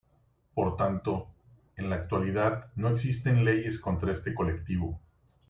Por tanto, en la actualidad no existen leyes contra este colectivo.